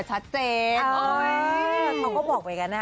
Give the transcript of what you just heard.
สีเสก